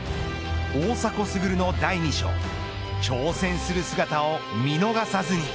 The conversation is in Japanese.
大迫傑の第２章挑戦する姿を見逃さずに。